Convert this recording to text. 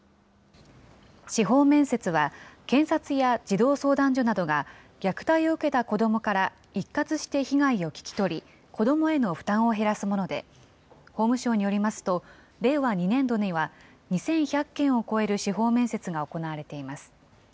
司法面接は、検察や児童相談所などが虐待を受けた子どもから一括して被害を聴き取り、子どもへの負担を減らすもので、法務省によりますと、令和２年度には２１００件を超える司法面接が行われています。